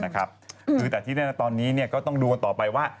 คือแต่ที่เรียนรักตอนนี้ต้องดูกันต่อไปว่า